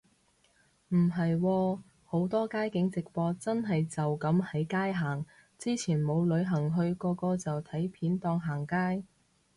唔係喎，好多街景直播真係就噉喺街行，之前冇旅行去個個就睇片當行街